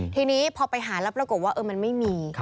ทีนี้พอไปหาแล้วปรากฏว่ามันไม่มี